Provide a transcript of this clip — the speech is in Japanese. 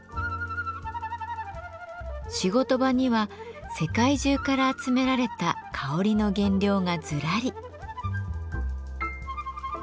仕事場には世界中から集められた香りの原料がずらり。